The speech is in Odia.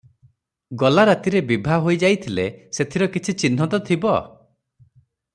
ଗଲା ରାତିରେ ବିଭା ହୋଇ ଯାଇଥିଲେ ସେଥିର କିଛି ଚିହ୍ନ ତ ଥିବ ।"